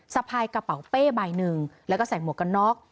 สะพายกระเป๋าเป้ใบหนึ่งแล้วก็ใส่หมวกกันน็อก